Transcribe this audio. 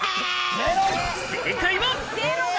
正解は。